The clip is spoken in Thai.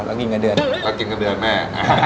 แล้วกินกับเดือนแม่